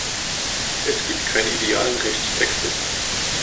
Es gibt keine idealen Rechtstexte.